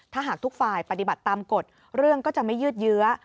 ถ้าหากทุกฝ่ายปฏิบัติตามกฎเรื่องก็จะไม่ยืดเยื้อ